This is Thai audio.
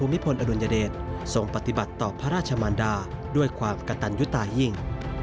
สมิพลอรุณเยดส่งปฏิบัติต่อพระราชมัณฑาด้วยความกระตันยุตาหิ่ง